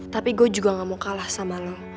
tapi gue juga gak mau kalah sama lo